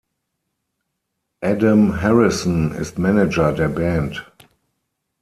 Adam Harrison ist Manager der Band.